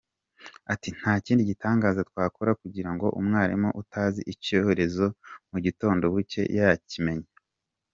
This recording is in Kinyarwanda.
Ati “Nta kindi gitangaza twakora kugirango umwarimu utazi Icyongereza mu gitondo bucye yakimenye.